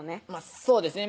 そうですね